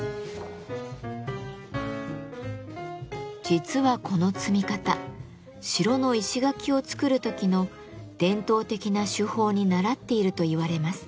実はこの積み方城の石垣を造る時の伝統的な手法にならっていると言われます。